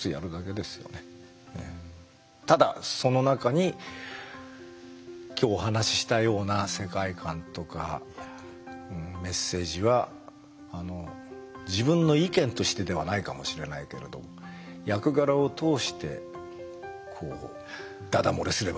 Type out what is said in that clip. ただその中に今日お話ししたような世界観とかメッセージは自分の意見としてではないかもしれないけれど役柄を通してだだ漏れすればいいなとは思ってます。